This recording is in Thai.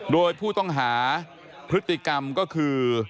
โดยผู้ต้องหาพฤติกรรมก็คือ